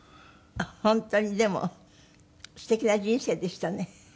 本当にでもすてきな人生でしたね。